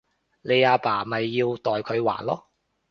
你阿爸咪要代佢還囉